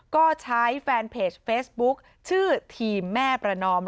ก็ใช้แฟนเพจเฟซบุ๊คชื่อทีมแม่ประนอม